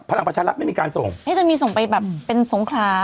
พลังประชารัฐไม่มีการส่งนี่จะมีส่งไปแบบเป็นสงครา